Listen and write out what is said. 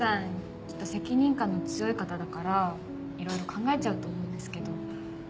きっと責任感の強い方だからいろいろ考えちゃうと思うんですけど。